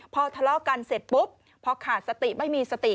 พอทะเลาะกันเสร็จปุ๊บพอขาดสติไม่มีสติ